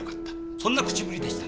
そんな口ぶりでした。